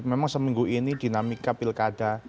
memang seminggu ini dinamika pilkada